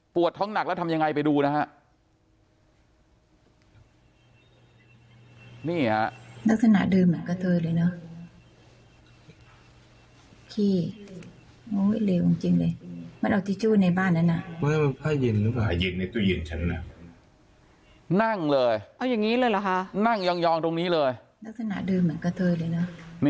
ท้องหนักแล้วทำยังไงไปดูนะฮะ